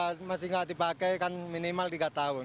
ya kan kalau masih tidak dipakai kan minimal tiga tahun